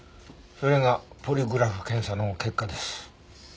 それがポリグラフ検査の結果です。